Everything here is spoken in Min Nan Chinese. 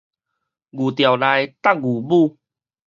牛牢內觸牛母